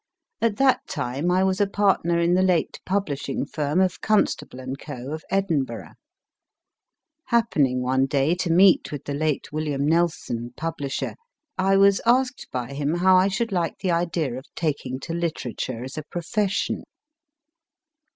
At that time I was a partner in the late publish ing firm of Constable & Co., of Edinburgh. Happening one day to meet with the late William Nelson, publisher, I was asked by him how I should like the idea of taking to litera ture as a profession.